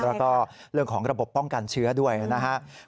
แล้วก็เรื่องของระบบป้องกันเชื้อด้วยนะครับ